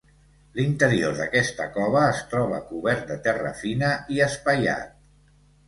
L'interior d'aquesta cova es troba cobert de terra fina i espaiat.